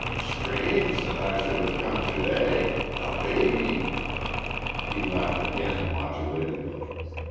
"Strange that I should have come to day.... A baby!" He laughed again, modulatedly.